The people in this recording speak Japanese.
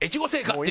って